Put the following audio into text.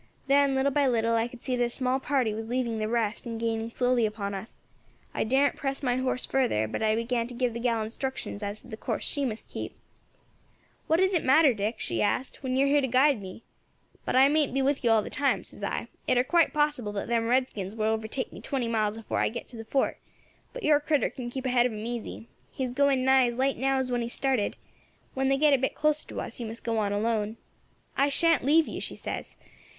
Then little by little I could see that a small party was leaving the rest and gaining slowly upon us; I darn't press my horse further, but I began to give the gal instructions as to the course she should keep. "'What does it matter, Dick,' she asked, 'when you are here to guide me?' 'But I mayn't be with you all the time,' says I; 'it air quite possible that them redskins will overtake me twenty miles afore I get to the fort, but your critter can keep ahead of them easy, he is going nigh as light now as when he started; when they get a bit closer to us you must go on alone.' 'I shan't leave you,' she says.